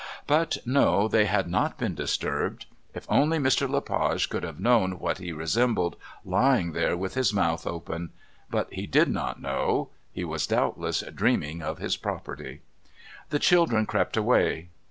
But no, they had not been disturbed. If only Mr. Le Page could have known what he resembled lying there with his mouth open! But he did not know. He was doubtless dreaming of his property. The children crept away.